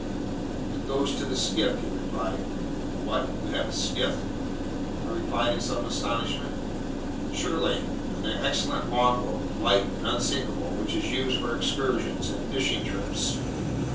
"It goes to the skiff," he replied. "What! You have a skiff?" I replied in some astonishment. "Surely. An excellent longboat, light and unsinkable, which is used for excursions and fishing trips."